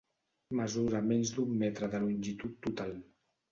Mesura menys d'un metre de longitud total.